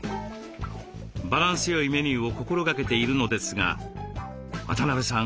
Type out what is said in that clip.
バランスよいメニューを心がけているのですが渡邊さん